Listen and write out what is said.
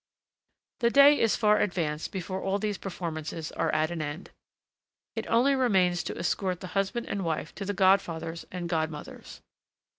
The day is far advanced before all these performances are at an end. It only remains to escort the husband and wife to the godfathers and godmothers.